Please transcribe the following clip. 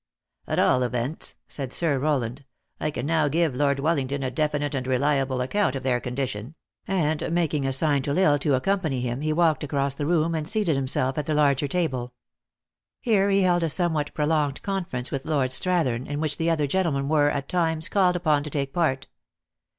"At all events," said Sir Rowland, "I can now give Lord Wellington a definite and reliable account of their condition ;" and, making a sign to L Isle to accompany him, he walked across the room and seated himself at the larger table. Here he held a somewhat prolonged conference with Lord Strathern, in which the other gentlemen were, at times, called upon to take part.